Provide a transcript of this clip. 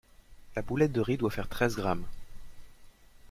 La boulette de riz doit faire treize grammes.